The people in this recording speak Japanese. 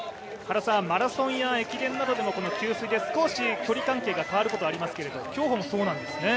マラソンや駅伝などでもこの給水で少し距離感が変わることありますけど、競歩もそうなんですね？